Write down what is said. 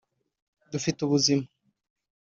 dufite ubuzima